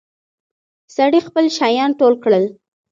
سړي خپل شيان ټول کړل.